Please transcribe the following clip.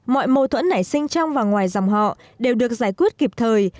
mọi mâu thuẫn nảy sinh trong và ngoài dòng họ đều được giải quyết kịp thời